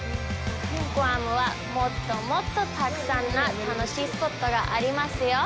グアムは、もっともっとたくさんな楽しいスポットがありますよ。